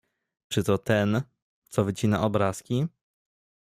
"„Czy to ten, co wycina obrazki?"